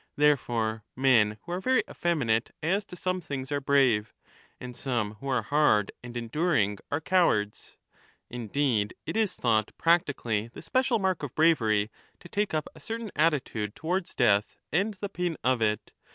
Therefore men who are very effemi nate aslb some things are brave, and some who are hard and enduring are cowards. Indeed, it is thought practically the special mark of bravery to take up a certain attitude towards) death and the pain of it.